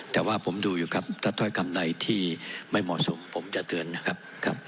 แต่ว่าผมดูอยู่ครับถ้าถ้อยคำใดที่ไม่เหมาะสมผมจะเตือนนะครับ